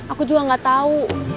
aku juga gak tahu